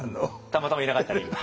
たまたまいなかったり？